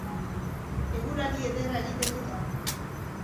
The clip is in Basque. Eguraldi ederra egiten du gaur.